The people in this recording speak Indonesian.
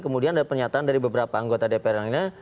kemudian ada pernyataan dari beberapa anggota dpr lainnya